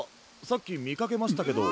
さっきみかけましたけど。